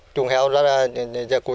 chuồng heo rất an toàn